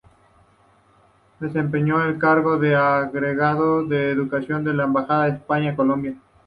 Desempeñó el cargo de agregado de Educación de la Embajada de España en Colombia.